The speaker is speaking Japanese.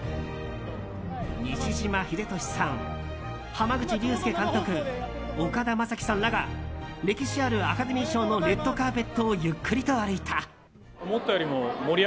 西島秀俊さん濱口竜介監督、岡田将生さんらが歴史あるアカデミー賞のレッドカーペットをゆっくりと歩いた。